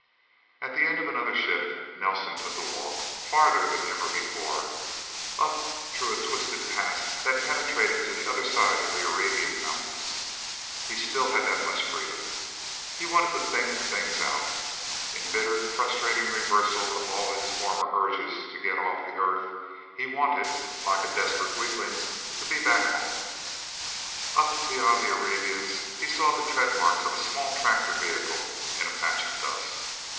At the end of another shift, Nelsen took a walk, farther than ever before, up through a twisted pass that penetrated to the other side of the Arabian Mountains. He still had that much freedom. He wanted to think things out. In bitter, frustrating reversal of all his former urges to get off the Earth, he wanted, like a desperate weakling, to be back home. Up beyond the Arabians, he saw the tread marks of a small tractor vehicle in a patch of dust.